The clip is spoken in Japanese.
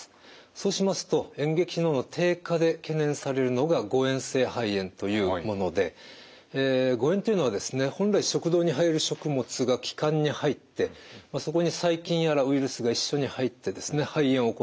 そうしますと嚥下機能の低下で懸念されるのが誤嚥性肺炎というもので誤嚥というのは本来食道に入る食物が気管に入ってそこに細菌やらウイルスが一緒に入って肺炎を起こす病態をいいます。